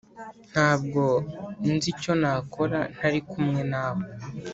ntabwo nzi icyo nakora ntari kumwe nawe.